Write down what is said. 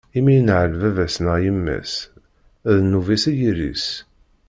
Imi i yenɛel baba-s neɣ yemma-s, ddnub-is i yiri-s.